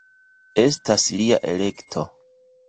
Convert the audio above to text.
Estas lia elekto.